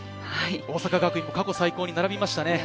大阪学院も過去最高に並びましたね。